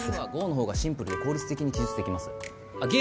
Ｇｏの方がシンプルで効率的に記述できます